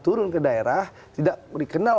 turun ke daerah tidak dikenal